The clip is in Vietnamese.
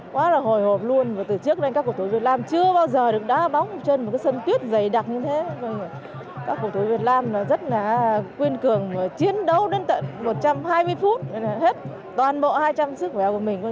quá là hồi hộp luôn từ trước đến các cổ thủ việt nam chưa bao giờ được đá bóng chân một cái sân tuyết dày đặc như thế